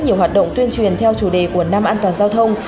nhiều hoạt động tuyên truyền theo chủ đề của năm an toàn giao thông